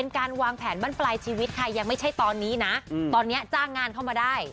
การวางแผนบ้านปลายชีวิตค่ะยังไม่ใช่ตอนนี้นะตอนนี้จ้างงานเข้ามาได้